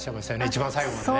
一番最後までね。